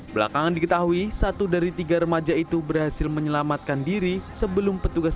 belakangan diketahui satu dari tiga remaja itu berhasil menyelamatkan diri sebelum petugas